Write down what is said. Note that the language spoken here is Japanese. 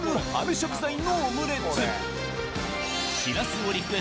食材のオムレツうわぁ。